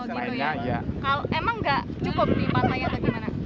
emang gak cukup tempat naik atau gimana